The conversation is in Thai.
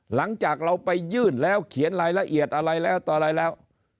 หลังจากเราไปยื่นแล้วเขียนรายละเอียดอะไรแล้วต่ออะไรแล้ว